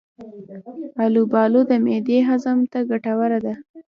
البالو د معدې هضم ته ګټوره ده.